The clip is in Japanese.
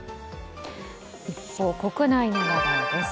一方、国内の話題です。